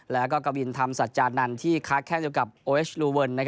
แล้วก็กวินธรรมสัจจานันท์ที่คลาดแค่งเจอกับโอเอชลูเวิล